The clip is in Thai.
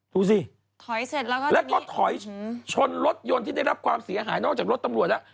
ดูสิถอยเสร็จแล้วก็ถอยชนรถยนต์ที่ได้รับความเสียหายนอกจากรถตำรวจแล้ว